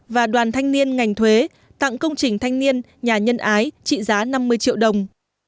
và đoàn thanh niên ngành thuế tặng công trình thanh niên nhà nhân ái trị giá năm mươi triệu đồng